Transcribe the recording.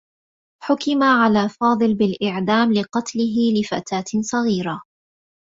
حُكِمَ على فاضل بالإعدام لقتله لفتاة صغيرة.